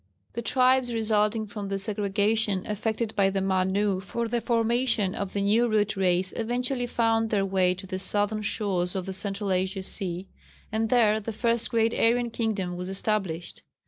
The tribes resulting from the segregation effected by the Manu for the formation of the new Root Race eventually found their way to the southern shores of the central Asian sea, and there the first great Aryan kingdom was established.